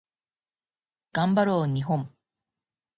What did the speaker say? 頑張ろう日本